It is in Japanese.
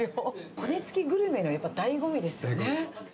骨付きグルメのだいご味ですよね。